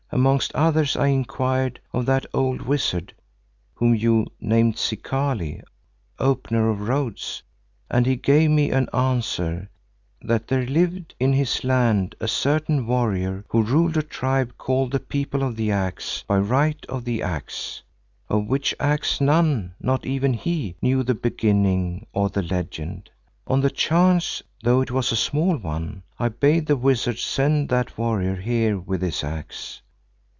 Amongst others, I inquired of that old wizard whom you named Zikali, Opener of Roads, and he gave me an answer that there lived in his land a certain warrior who ruled a tribe called the People of the Axe by right of the Axe, of which axe none, not even he, knew the beginning or the legend. On the chance, though it was a small one, I bade the wizard send that warrior here with his axe.